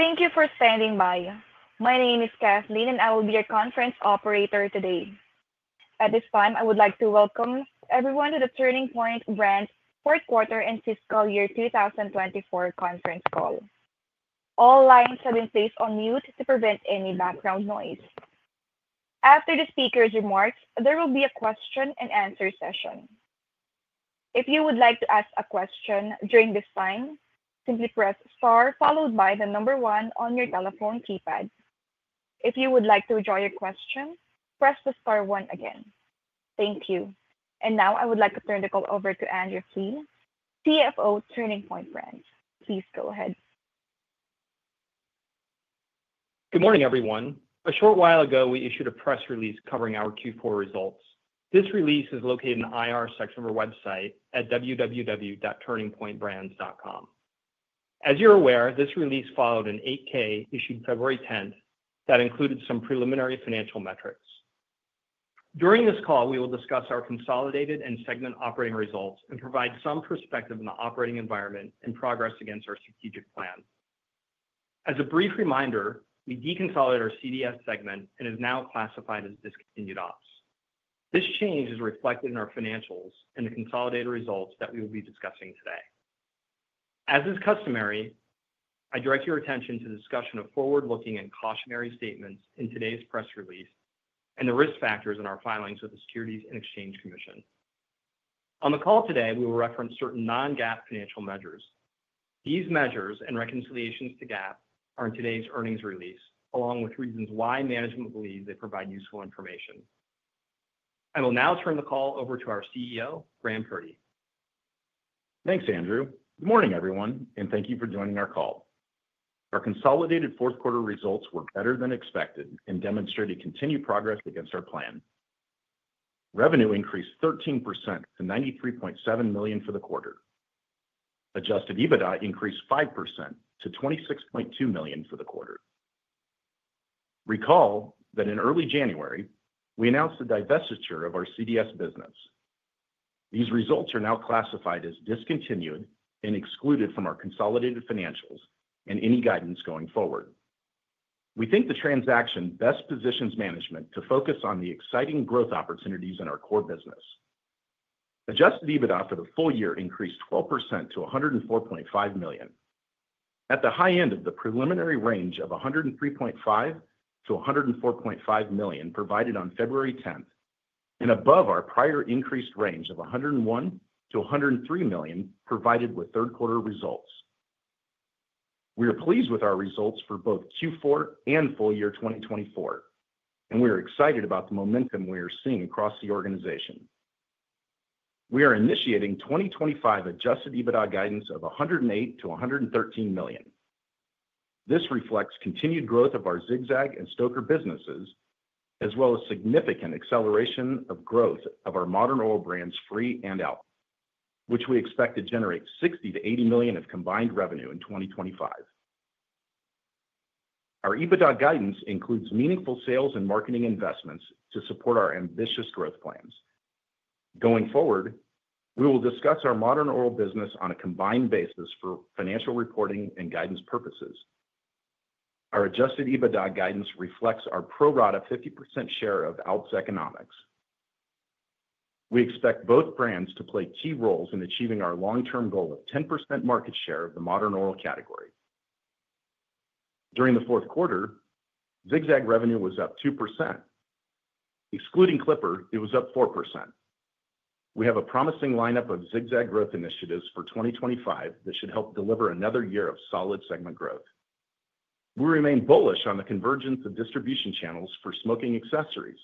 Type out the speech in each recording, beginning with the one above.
Thank you for standing by. My name is Kathleen, and I will be your conference operator today. At this time, I would like to welcome everyone to the Turning Point Brands Fourth Quarter and Fiscal Year 2024 Conference Call. All lines have been placed on mute to prevent any background noise. After the speaker's remarks, there will be a question and answer session. If you would like to ask a question during this time, simply press star followed by the number one on your telephone keypad. If you would like to withdraw your question, press the star one again. Thank you. I would like to turn the call over to Andrew Flynn, CFO of Turning Point Brands. Please go ahead. Good morning, everyone. A short while ago, we issued a press release covering our Q4 results. This release is located in the IR section of our website at www.turningpointbrands.com. As you're aware, this release followed an 8-K issued February 10th that included some preliminary financial metrics. During this call, we will discuss our consolidated and segment operating results and provide some perspective on the operating environment and progress against our strategic plan. As a brief reminder, we deconsolidated our CDS segment and it is now classified as discontinued ops. This change is reflected in our financials and the consolidated results that we will be discussing today. As is customary, I direct your attention to the discussion of forward-looking and cautionary statements in today's press release and the risk factors in our filings with the Securities and Exchange Commission. On the call today, we will reference certain non-GAAP financial measures. These measures and reconciliations to GAAP are in today's earnings release, along with reasons why management believes they provide useful information. I will now turn the call over to our CEO, Graham Purdy. Thanks, Andrew. Good morning, everyone, and thank you for joining our call. Our consolidated fourth quarter results were better than expected and demonstrated continued progress against our plan. Revenue increased 13% to $93.7 million for the quarter. Adjusted EBITDA increased 5% to $26.2 million for the quarter. Recall that in early January, we announced the divestiture of our CDS business. These results are now classified as discontinued and excluded from our consolidated financials and any guidance going forward. We think the transaction best positions management to focus on the exciting growth opportunities in our core business. Adjusted EBITDA for the full year increased 12% to $104.5 million. At the high end of the preliminary range of $103.5-$104.5 million provided on February 10th and above our prior increased range of $101-$103 million provided with third quarter results. We are pleased with our results for both Q4 and full year 2024, and we are excited about the momentum we are seeing across the organization. We are initiating 2025 adjusted EBITDA guidance of $108-$113 million. This reflects continued growth of our Zig-Zag and Stoker's businesses, as well as significant acceleration of growth of our modern oral brands, FRE and ALP, which we expect to generate $60-$80 million of combined revenue in 2025. Our EBITDA guidance includes meaningful sales and marketing investments to support our ambitious growth plans. Going forward, we will discuss our modern oral business on a combined basis for financial reporting and guidance purposes. Our adjusted EBITDA guidance reflects our pro-rata 50% share of ALP's economics. We expect both brands to play key roles in achieving our long-term goal of 10% market share of the modern oral category. During the fourth quarter, Zig-Zag revenue was up 2%. Excluding Clipper, it was up 4%. We have a promising lineup of Zig-Zag growth initiatives for 2025 that should help deliver another year of solid segment growth. We remain bullish on the convergence of distribution channels for smoking accessories,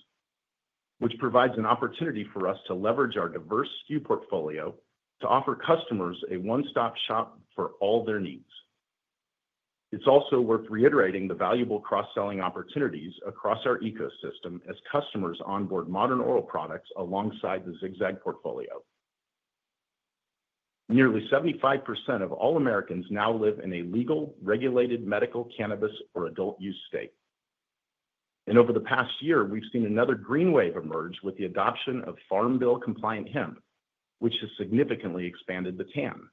which provides an opportunity for us to leverage our diverse SKU portfolio to offer customers a one-stop shop for all their needs. It's also worth reiterating the valuable cross-selling opportunities across our ecosystem as customers onboard modern oral products alongside the Zig-Zag portfolio. Nearly 75% of all Americans now live in a legal, regulated, medical, cannabis, or adult use state. Over the past year, we've seen another green wave emerge with the adoption of Farm Bill-compliant hemp, which has significantly expanded the TAM.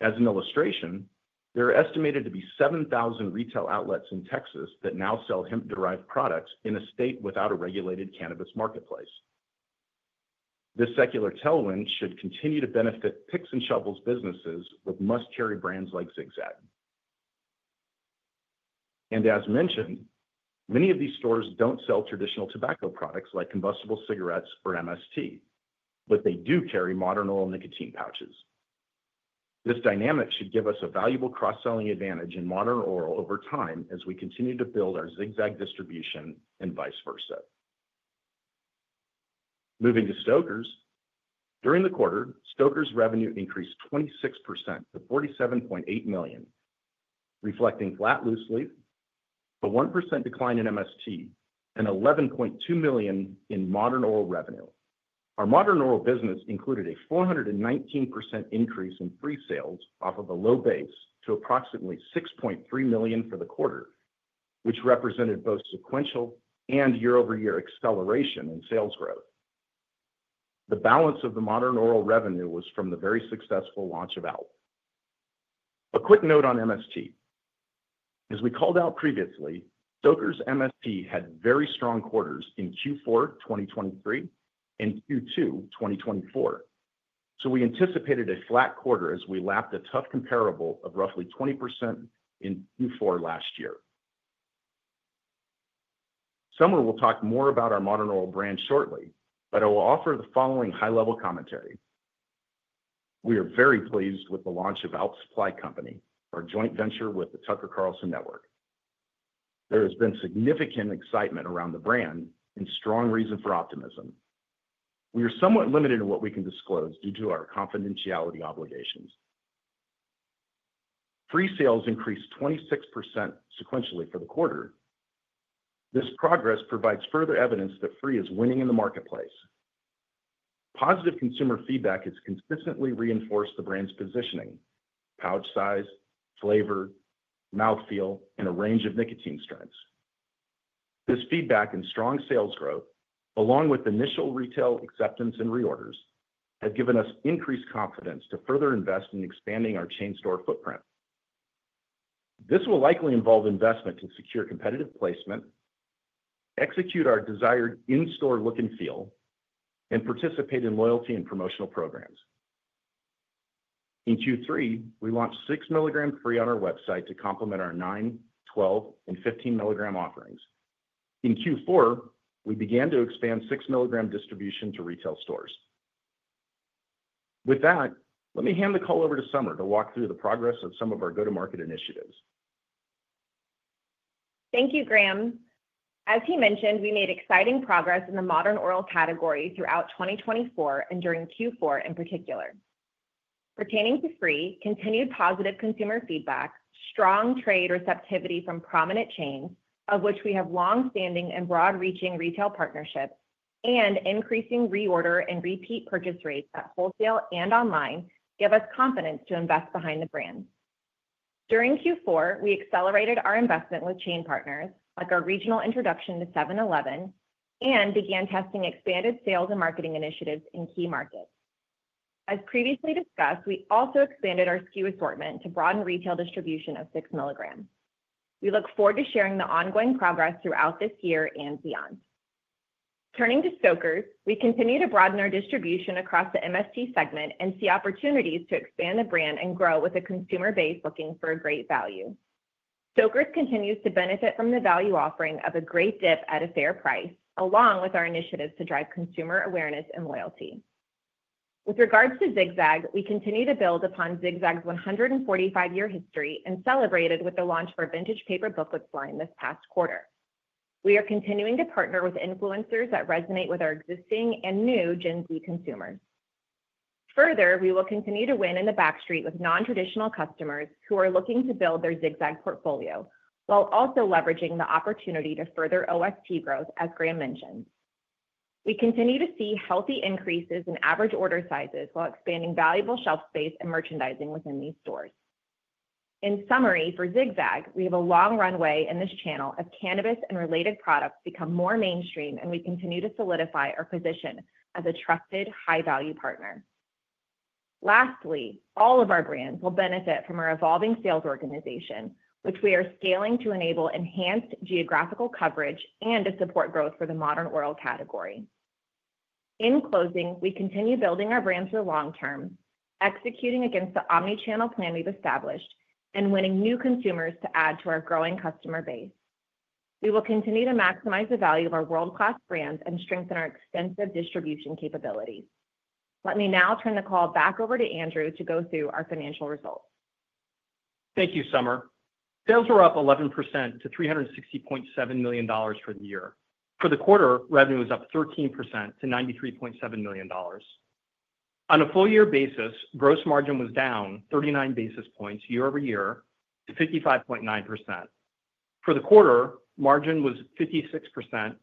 As an illustration, there are estimated to be 7,000 retail outlets in Texas that now sell hemp-derived products in a state without a regulated cannabis marketplace. This secular tailwind should continue to benefit picks and shovels businesses with must-carry brands like Zig-Zag. As mentioned, many of these stores do not sell traditional tobacco products like combustible cigarettes or MST, but they do carry modern oral nicotine pouches. This dynamic should give us a valuable cross-selling advantage in modern oral over time as we continue to build our Zig-Zag distribution and vice versa. Moving to Stoker's. During the quarter, Stoker's revenue increased 26% to $47.8 million, reflecting flat loose leaf, a 1% decline in MST, and $11.2 million in modern oral revenue. Our modern oral business included a 419% increase in FRE sales off of a low base to approximately $6.3 million for the quarter, which represented both sequential and year-over-year acceleration in sales growth. The balance of the modern oral revenue was from the very successful launch of ALP. A quick note on MST. As we called out previously, Stoker's MST had very strong quarters in Q4 2023 and Q2 2024, so we anticipated a flat quarter as we lapped a tough comparable of roughly 20% in Q4 last year. Summer will talk more about our modern oral brand shortly, but I will offer the following high-level commentary. We are very pleased with the launch of ALP Supply Company, our joint venture with the Tucker Carlson Network. There has been significant excitement around the brand and strong reason for optimism. We are somewhat limited in what we can disclose due to our confidentiality obligations. FRE sales increased 26% sequentially for the quarter. This progress provides further evidence that FRE is winning in the marketplace. Positive consumer feedback has consistently reinforced the brand's positioning: pouch size, flavor, mouthfeel, and a range of nicotine strengths. This feedback and strong sales growth, along with initial retail acceptance and reorders, have given us increased confidence to further invest in expanding our chain store footprint. This will likely involve investment to secure competitive placement, execute our desired in-store look and feel, and participate in loyalty and promotional programs. In Q3, we launched 6 mg FRE on our website to complement our 9, 12, and 15 mg offerings. In Q4, we began to expand 6 mg distribution to retail stores. With that, let me hand the call over to Summer to walk through the progress of some of our go-to-market initiatives. Thank you, Graham. As he mentioned, we made exciting progress in the modern oral category throughout 2024 and during Q4 in particular. Pertaining to FRE, continued positive consumer feedback, strong trade receptivity from prominent chains, of which we have long-standing and broad-reaching retail partnerships, and increasing reorder and repeat purchase rates at wholesale and online give us confidence to invest behind the brand. During Q4, we accelerated our investment with chain partners, like our regional introduction to 7-Eleven, and began testing expanded sales and marketing initiatives in key markets. As previously discussed, we also expanded our SKU assortment to broaden retail distribution of 6 mg. We look forward to sharing the ongoing progress throughout this year and beyond. Turning to Stoker's, we continue to broaden our distribution across the MST segment and see opportunities to expand the brand and grow with a consumer base looking for a great value. Stoker's continues to benefit from the value offering of a great dip at a fair price, along with our initiatives to drive consumer awareness and loyalty. With regards to Zig-Zag, we continue to build upon Zig-Zag's 145-year history and celebrated with the launch of our vintage paper booklets line this past quarter. We are continuing to partner with influencers that resonate with our existing and new Gen Z consumers. Further, we will continue to win in the backstreet with non-traditional customers who are looking to build their Zig-Zag portfolio while also leveraging the opportunity to further OST backstreet growth, as Graham mentioned. We continue to see healthy increases in average order sizes while expanding valuable shelf space and merchandising within these stores. In summary, for Zig-Zag, we have a long runway in this channel as cannabis and related products become more mainstream, and we continue to solidify our position as a trusted, high-value partner. Lastly, all of our brands will benefit from our evolving sales organization, which we are scaling to enable enhanced geographical coverage and to support growth for the modern oral category. In closing, we continue building our brand for the long term, executing against the omnichannel plan we have established, and winning new consumers to add to our growing customer base. We will continue to maximize the value of our world-class brands and strengthen our extensive distribution capabilities. Let me now turn the call back over to Andrew to go through our financial results. Thank you, Summer. Sales were up 11% to $360.7 million for the year. For the quarter, revenue was up 13% to $93.7 million. On a full-year basis, gross margin was down 39 basis points year-over-year to 55.9%. For the quarter, margin was 56%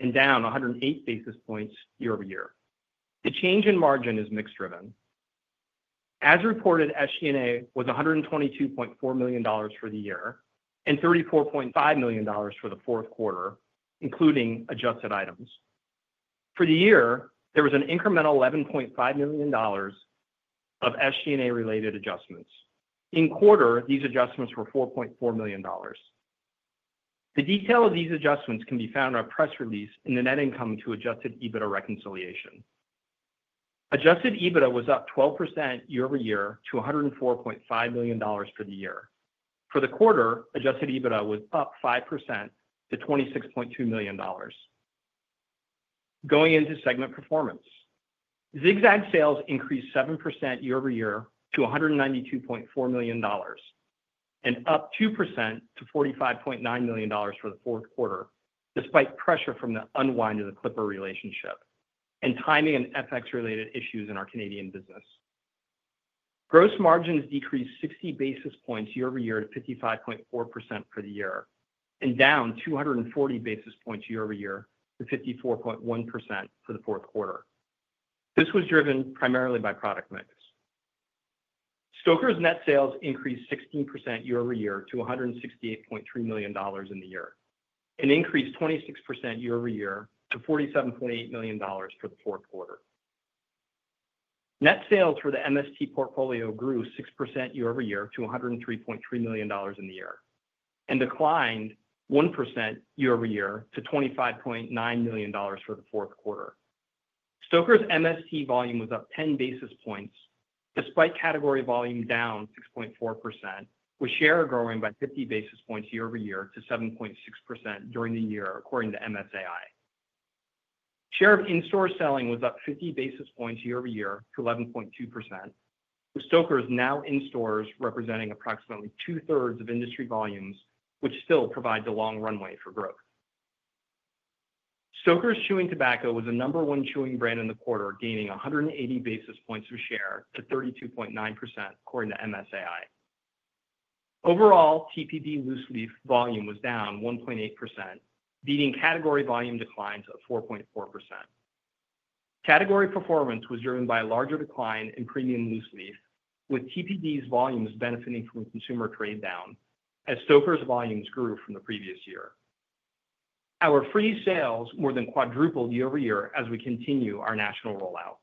and down 108 basis points year-over-year. The change in margin is mixed-driven. As reported, SG&A was $122.4 million for the year and $34.5 million for the fourth quarter, including adjusted items. For the year, there was an incremental $11.5 million of SG&A-related adjustments. In quarter, these adjustments were $4.4 million. The detail of these adjustments can be found in our press release in the net income to adjusted EBITDA reconciliation. Adjusted EBITDA was up 12% year-over-year to $104.5 million for the year. For the quarter, adjusted EBITDA was up 5% to $26.2 million. Going into segment performance, Zig-Zag sales increased 7% year-over-year to $192.4 million and up 2% to $45.9 million for the fourth quarter, despite pressure from the unwind of the Clipper relationship and timing and FX-related issues in our Canadian business. Gross margins decreased 60 basis points year-over-year to 55.4% for the year and down 240 basis points year-over-year to 54.1% for the fourth quarter. This was driven primarily by product mix. Stoker's net sales increased 16% year-over-year to $168.3 million in the year and increased 26% year-over-year to $47.8 million for the fourth quarter. Net sales for the MST portfolio grew 6% year-over-year to $103.3 million in the year and declined 1% year-over-year to $25.9 million for the fourth quarter. Stoker's MST volume was up 10 basis points despite category volume down 6.4%, with share growing by 50 basis points year-over-year to 7.6% during the year, according to MSAI. Share of in-store selling was up 50 basis points year-over-year to 11.2%, with Stoker's now in stores representing approximately 2/3 of industry volumes, which still provides a long runway for growth. Stoker's chewing tobacco was the number one chewing brand in the quarter, gaining 180 basis points of share to 32.9%, according to MSAI. Overall, TPB loose leaf volume was down 1.8%, beating category volume declines of 4.4%. Category performance was driven by a larger decline in premium loose leaf, with TPB's volumes benefiting from consumer trade down as Stoker's volumes grew from the previous year. Our FRE sales more than quadrupled year-over-year as we continue our national rollout.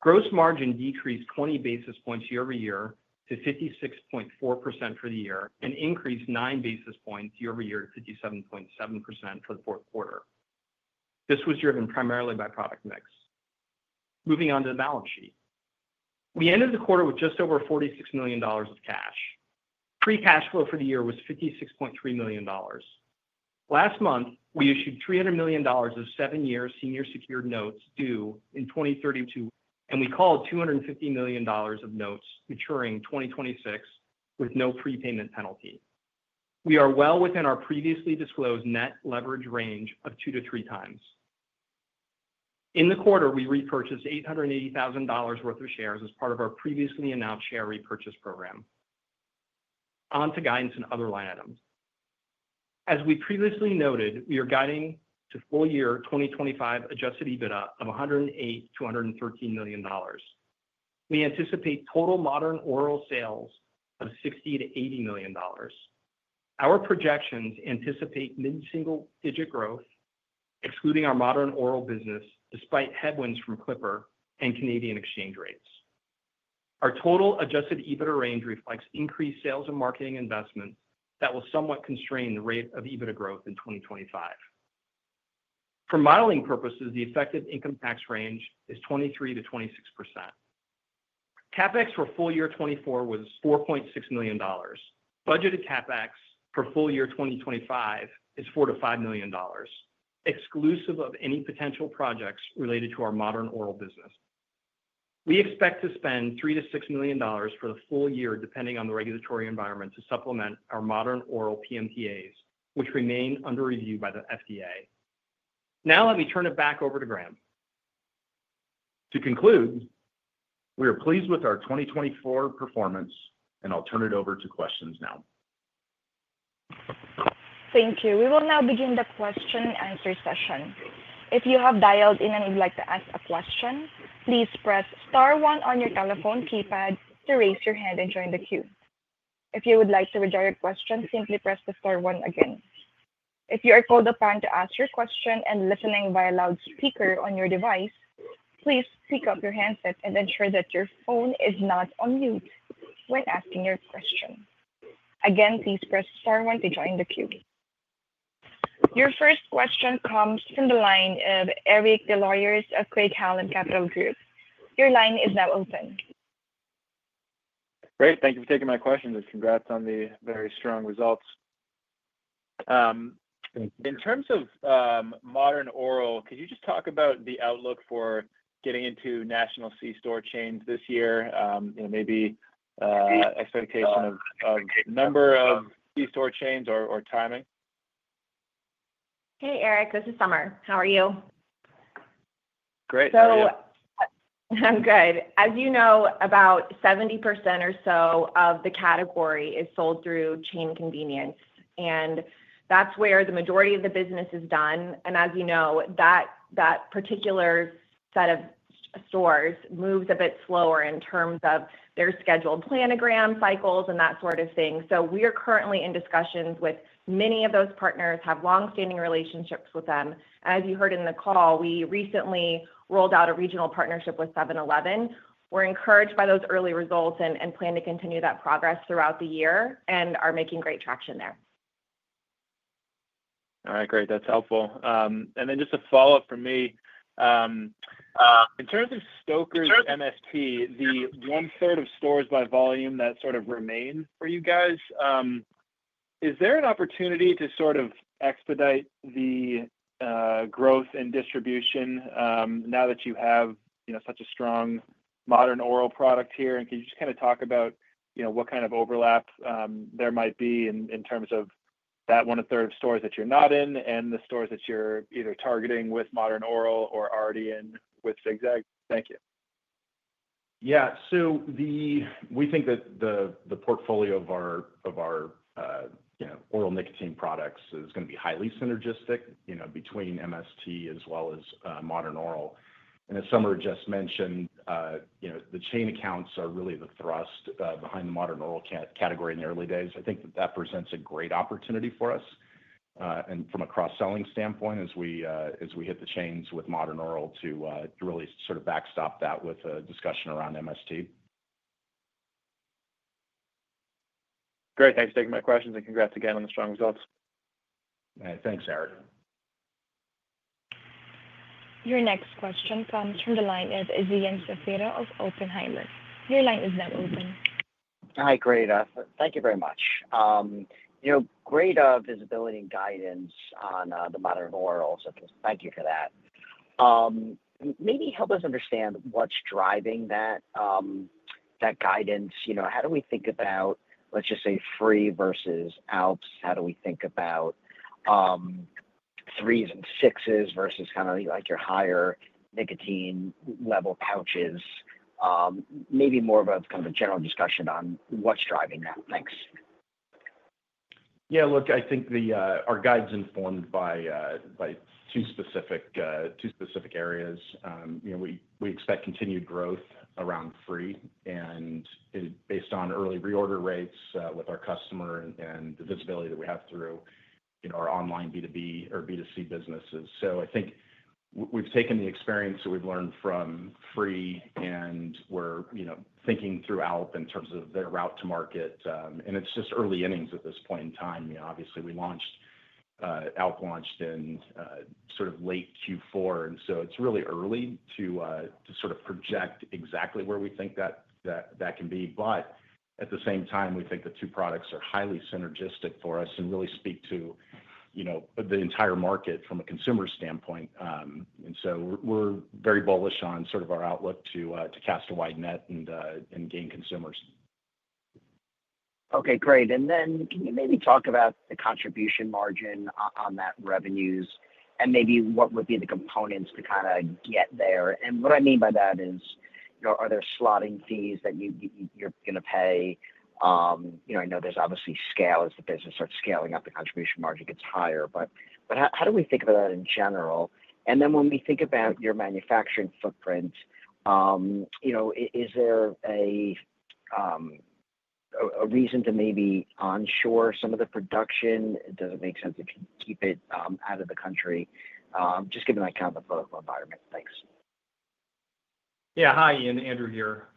Gross margin decreased 20 basis points year-over-year to 56.4% for the year and increased 9 basis points year-over-year to 57.7% for the fourth quarter. This was driven primarily by product mix. Moving on to the balance sheet. We ended the quarter with just over $46 million of cash. FRE cash flow for the year was $56.3 million. Last month, we issued $300 million of seven-year senior secured notes due in 2032, and we called $250 million of notes maturing 2026 with no prepayment penalty. We are well within our previously disclosed net leverage range of two to three times. In the quarter, we repurchased $880,000 worth of shares as part of our previously announced share repurchase program. On to guidance and other line items. As we previously noted, we are guiding to full-year 2025 adjusted EBITDA of $108-$113 million. We anticipate total modern oral sales of $60-$80 million. Our projections anticipate mid-single-digit growth, excluding our modern oral business, despite headwinds from Clipper and Canadian exchange rates. Our total adjusted EBITDA range reflects increased sales and marketing investments that will somewhat constrain the rate of EBITDA growth in 2025. For modeling purposes, the effective income tax range is 23%-26%. CapEx for full-year 2024 was $4.6 million. Budgeted CapEx for full-year 2025 is $4-$5 million, exclusive of any potential projects related to our modern oral business. We expect to spend $3-$6 million for the full year, depending on the regulatory environment, to supplement our modern oral PMTAs, which remain under review by the FDA. Now, let me turn it back over to Graham. To conclude, we are pleased with our 2024 performance, and I'll turn it over to questions now. Thank you. We will now begin the question and answer session. If you have dialed in and would like to ask a question, please press star one on your telephone keypad to raise your hand and join the queue. If you would like to reject your question, simply press the star one again. If you are called upon to ask your question and listening via loudspeaker on your device, please pick up your handset and ensure that your phone is not on mute when asking your question. Again, please press star one to join the queue. Your first question comes from the line of Eric Des Lauriers of Craig-Hallum Capital Group. Your line is now open. Great. Thank you for taking my questions. Congrats on the very strong results. In terms of modern oral, could you just talk about the outlook for getting into national c-store chains this year? Maybe expectation of number of c-store chains or timing. Hey, Eric. This is Summer. How are you? Great. I'm good. As you know, about 70% or so of the category is sold through chain convenience, and that's where the majority of the business is done. As you know, that particular set of stores moves a bit slower in terms of their scheduled planogram cycles and that sort of thing. We are currently in discussions with many of those partners, have long-standing relationships with them. As you heard in the call, we recently rolled out a regional partnership with 7-Eleven. We're encouraged by those early results and plan to continue that progress throughout the year and are making great traction there. All right. Great. That's helpful. Then just a follow-up from me. In terms of Stoker's MST, the 1/3 of stores by volume that sort of remain for you guys, is there an opportunity to sort of expedite the growth and distribution now that you have such a strong modern oral product here? Can you just kind of talk about what kind of overlap there might be in terms of that 1/3 of stores that you're not in and the stores that you're either targeting with modern oral or already in with Zig-Zag? Thank you. Yeah. We think that the portfolio of our oral nicotine products is going to be highly synergistic between MST as well as modern oral. As Summer just mentioned, the chain accounts are really the thrust behind the modern oral category in the early days. I think that that presents a great opportunity for us from a cross-selling standpoint as we hit the chains with modern oral to really sort of backstop that with a discussion around MST. Great. Thanks for taking my questions, and congrats again on the strong results. Thanks, Eric. Your next question comes from the line of Ian Zaffino of Oppenheimer. Your line is now open. Hi, Graham. Thank you very much. Great visibility and guidance on the modern oral. Thank you for that. Maybe help us understand what's driving that guidance. How do we think about, let's just say, FRE versus ALP? How do we think about threes and sixes versus kind of your higher nicotine-level pouches? Maybe more of a kind of a general discussion on what's driving that. Thanks. Yeah. Look, I think our guide's informed by two specific areas. We expect continued growth around FRE and based on early reorder rates with our customer and the visibility that we have through our online B2B or B2C businesses. I think we've taken the experience that we've learned from FRE, and we're thinking through ALP in terms of their route to market. It's just early innings at this point in time. Obviously, ALP launched in sort of late Q4, and it's really early to sort of project exactly where we think that can be. At the same time, we think the two products are highly synergistic for us and really speak to the entire market from a consumer standpoint. We are very bullish on sort of our outlook to cast a wide net and gain consumers. Okay. Great. Can you maybe talk about the contribution margin on that revenues and maybe what would be the components to kind of get there? What I mean by that is, are there slotting fees that you're going to pay? I know there's obviously scale as the business starts scaling up, the contribution margin gets higher. How do we think about that in general? When we think about your manufacturing footprint, is there a reason to maybe onshore some of the production? Does it make sense if you keep it out of the country? Just give me kind of a political environment. Thanks. Yeah. Hi. Ian, Andrew here.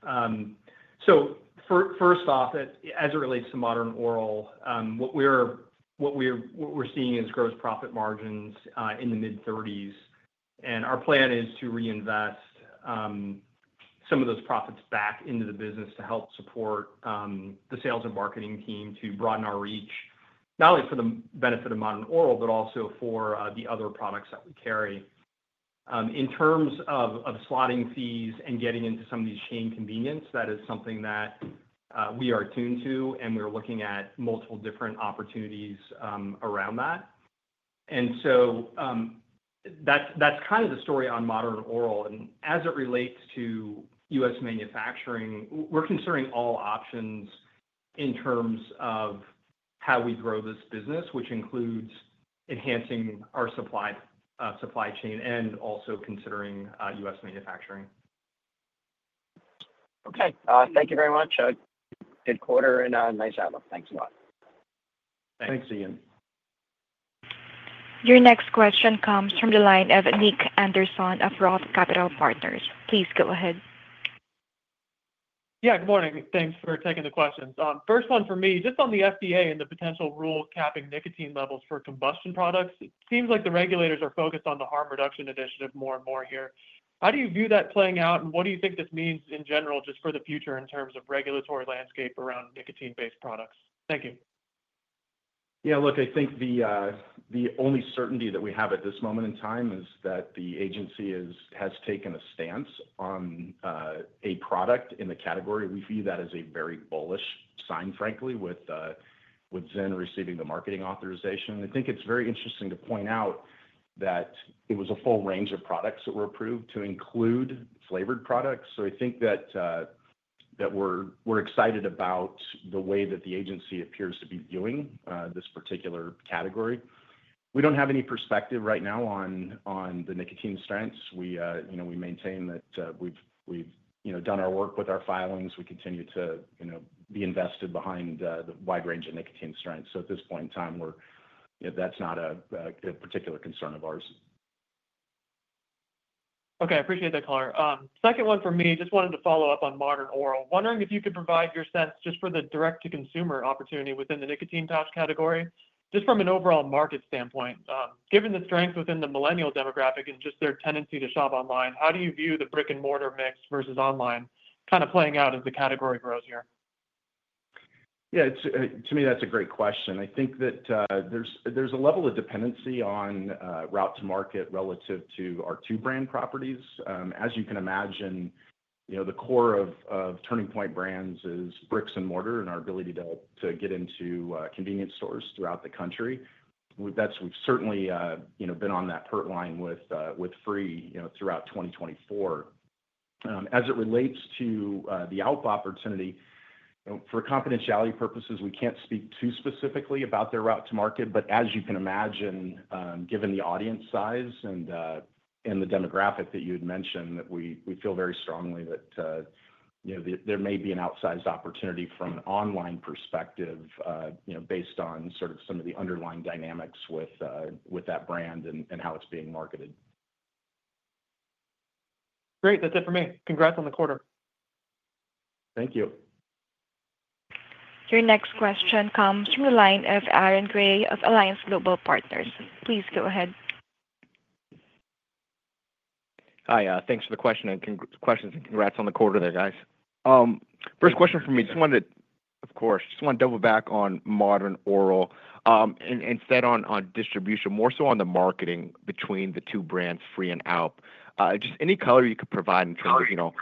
First off, as it relates to modern oral, what we're seeing is gross profit margins in the mid-30%. Our plan is to reinvest some of those profits back into the business to help support the sales and marketing team to broaden our reach, not only for the benefit of modern oral, but also for the other products that we carry. In terms of slotting fees and getting into some of these chain convenience, that is something that we are attuned to, and we're looking at multiple different opportunities around that. That is kind of the story on modern oral. As it relates to U.S. manufacturing, we're considering all options in terms of how we grow this business, which includes enhancing our supply chain and also considering U.S. manufacturing. Okay. Thank you very much. Good quarter and nice outlook. Thanks a lot. Thanks, Ian. Your next question comes from the line of Nick Anderson of ROTH Capital Partners. Please go ahead. Yeah. Good morning. Thanks for taking the questions. First one for me, just on the FDA and the potential rules capping nicotine levels for combustion products. It seems like the regulators are focused on the harm reduction initiative more and more here. How do you view that playing out, and what do you think this means in general just for the future in terms of regulatory landscape around nicotine-based products? Thank you. Yeah. Look, I think the only certainty that we have at this moment in time is that the agency has taken a stance on a product in the category. We view that as a very bullish sign, frankly, with ZYN receiving the marketing authorization. I think it's very interesting to point out that it was a full range of products that were approved to include flavored products. I think that we're excited about the way that the agency appears to be doing this particular category. We don't have any perspective right now on the nicotine strengths. We maintain that we've done our work with our filings. We continue to be invested behind the wide range of nicotine strengths. At this point in time, that's not a particular concern of ours. Okay. I appreciate that, Graham. Second one for me, just wanted to follow up on modern oral. Wondering if you could provide your sense just for the direct-to-consumer opportunity within the nicotine pouch category. Just from an overall market standpoint, given the strength within the millennial demographic and just their tendency to shop online, how do you view the brick-and-mortar mix versus online kind of playing out as the category grows here? Yeah. To me, that's a great question. I think that there's a level of dependency on route to market relative to our two-brand properties. As you can imagine, the core of Turning Point Brands is bricks and mortar and our ability to get into convenience stores throughout the country. We've certainly been on that hurt line with FRE throughout 2024. As it relates to the ALP opportunity, for confidentiality purposes, we can't speak too specifically about their route to market. As you can imagine, given the audience size and the demographic that you had mentioned, we feel very strongly that there may be an outsized opportunity from an online perspective based on sort of some of the underlying dynamics with that brand and how it's being marketed. Great. That's it for me. Congrats on the quarter. Thank you. Your next question comes from the line of Aaron Grey of Alliance Global Partners. Please go ahead. Hi. Thanks for the question and congrats on the quarter there, guys. First question for me, of course, just want to double back on modern oral instead on distribution, more so on the marketing between the two brands, FRE and ALP. Just any color you could provide in terms of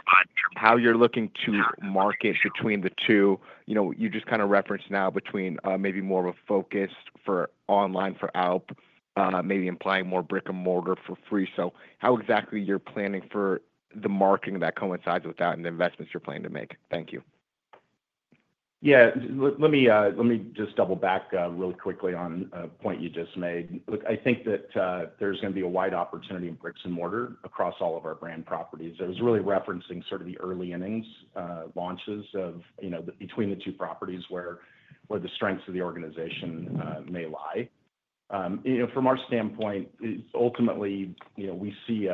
how you're looking to market between the two. You just kind of referenced now between maybe more of a focus for online for ALP, maybe implying more brick-and-mortar for FRE. How exactly you're planning for the marketing that coincides with that and the investments you're planning to make? Thank you. Yeah. Let me just double back really quickly on a point you just made. Look, I think that there's going to be a wide opportunity in bricks and mortar across all of our brand properties. I was really referencing sort of the early innings launches between the two properties where the strengths of the organization may lie. From our standpoint, ultimately, we see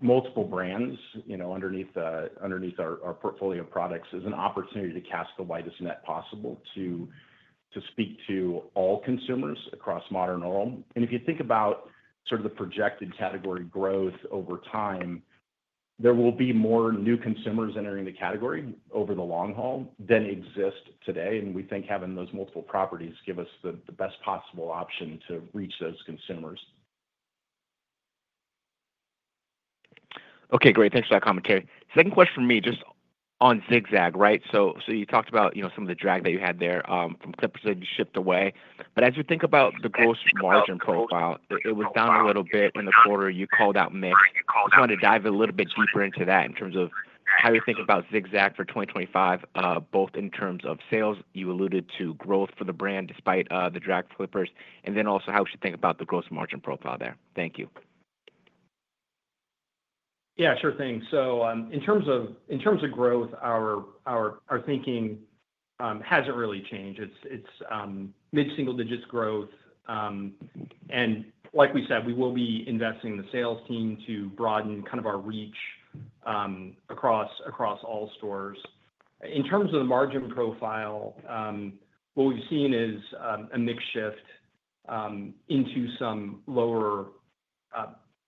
multiple brands underneath our portfolio of products as an opportunity to cast the widest net possible to speak to all consumers across modern oral. If you think about sort of the projected category growth over time, there will be more new consumers entering the category over the long haul than exist today. We think having those multiple properties gives us the best possible option to reach those consumers. Okay. Great. Thanks for that commentary. Second question for me, just on Zig-Zag, right? You talked about some of the drag that you had there from Clipper that you shipped away. As you think about the gross margin profile, it was down a little bit in the quarter. You called out mix. I just wanted to dive a little bit deeper into that in terms of how you think about Zig-Zag for 2025, both in terms of sales, you alluded to growth for the brand despite the drag from Clipper, and then also how should you think about the gross margin profile there? Thank you. Yeah. Sure thing. In terms of growth, our thinking hasn't really changed. It's mid-single digits growth. Like we said, we will be investing in the sales team to broaden kind of our reach across all stores. In terms of the margin profile, what we've seen is a mix shift into some lower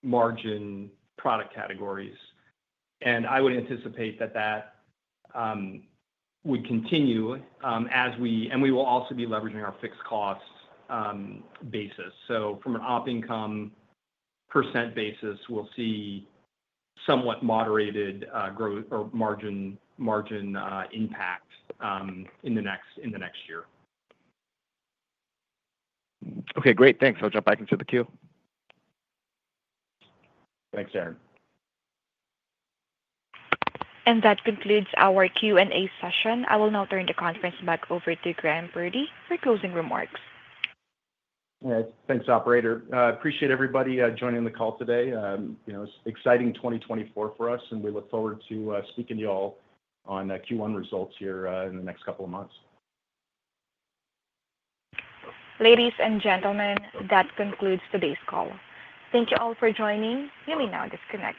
margin product categories. I would anticipate that that would continue, and we will also be leveraging our fixed cost basis. From an op income percent basis, we'll see somewhat moderated margin impact in the next year. Okay. Great. Thanks. I'll jump back into the queue. Thanks, Aaron. That concludes our Q&A session. I will now turn the conference back over to Graham Purdy for closing remarks. Thanks, Operator. I appreciate everybody joining the call today. It's an exciting 2024 for us, and we look forward to speaking to you all on Q1 results here in the next couple of months. Ladies and gentlemen, that concludes today's call. Thank you all for joining. You may now disconnect.